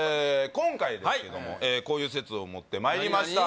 今回ですけどもこういう説を持ってまいりました